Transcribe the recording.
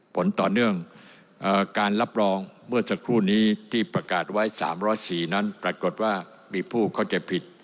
ผลต่อเนื่องการรับรองเมื่อสักครู่นี้ที่ประกาศไว้๓๐๔นั้นปรากฏว่ามีผู้เข้าใจผิด